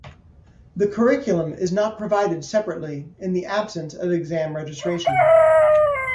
The curriculum is not provided separately in the absence of exam registration.